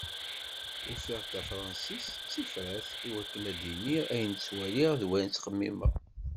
Ufiɣ-d tafransist d tifrat i wakken ad d-iniɣ ayen ttwaliɣ d wayen txemmimeɣ.